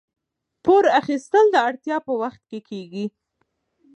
پور اخیستل د اړتیا په وخت کې کیږي.